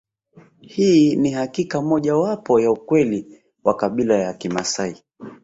Hii ni hakika moja wapo ya ukweli wa kabila ya Kimaasai